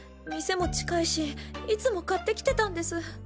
店も近いしいつも買って来てたんです。